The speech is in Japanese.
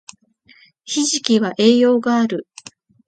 ひじきは栄養がある